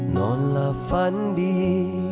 นอนละฝันดี